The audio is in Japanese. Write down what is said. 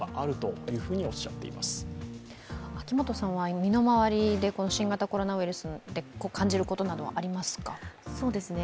身の回りで新型コロナウイルスを感じることなどはありますか。